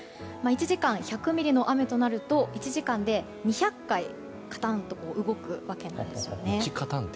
１時間１００ミリの雨となると１時間で２００回カタンと動くわけなんですね。